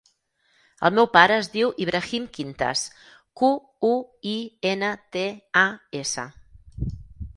El meu pare es diu Ibrahim Quintas: cu, u, i, ena, te, a, essa.